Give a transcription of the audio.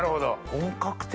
本格的。